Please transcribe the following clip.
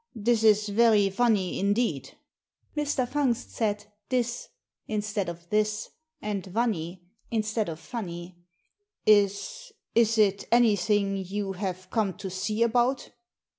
This is very funny indeed." Mr. Fungst said "dis" instead of "this," and "vunny" instead of funny." '*Is — is it anything you have come to see about?"